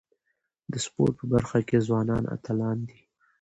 د سپورټ په برخه کي ځوانان اتلان دي.